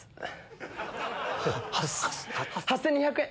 ８２００円！